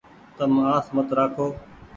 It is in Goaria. تم آس مت رآکو ۔